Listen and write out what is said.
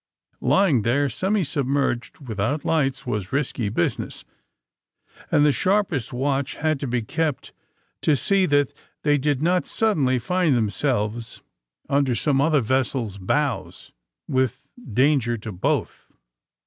Lying there semi submerged, without lights was risky busi ness, and the sharpest watch had to be kept to see that they did not suddenly find themselves under some other vessel's bows with danger to both.